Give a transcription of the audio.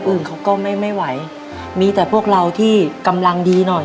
อื่นเขาก็ไม่ไม่ไหวมีแต่พวกเราที่กำลังดีหน่อย